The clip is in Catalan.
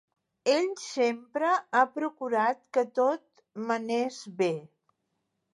Ell sempre ha procurat que tot m'anés bé.